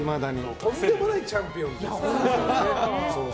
とんでもないチャンピオンですからね。